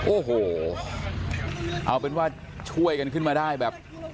โอ้โหเอาเป็นว่าช่วยกันขึ้นมาได้แบบ